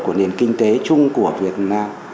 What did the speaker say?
của nền kinh tế chung của việt nam